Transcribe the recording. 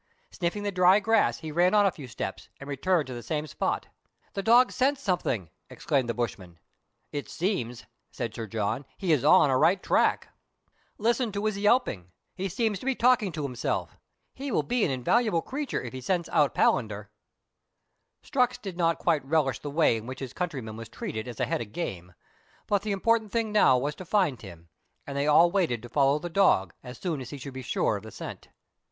Sniffing the dry grass, he ran on a few steps, and returned to the same spot. " The dog scents something," exclaimed the bushman. "It seems/' said Sir John, "he is on a right track. "There he is," cried Mukuuin. — [Page 103.] THREE ENGLISHMEN AND THREE RUSSIANS. I03 Listen to his yelping : he seems to be talking to him self. He will be an invaluable creature if he scents out Palander." Strux did not quite relish the way in which his country man was treated as a head of game ; but the important thing now was to find him, and they all waited to follow the dog, as soon as he should be sure of the scent.